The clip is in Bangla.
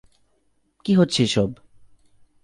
কী হচ্ছে এসব!